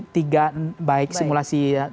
tiga baik simulasi